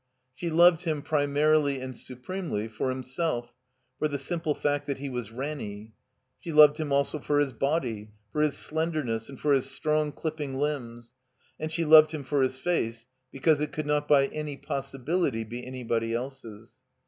She loved him, primarily and supremely, for himselfi for the simple fact that he was Ranny. She loved him also for his body, for his slendemess, and for his strong dipping limbs, and she loved him for his face because it could not by any possibility be any body else's.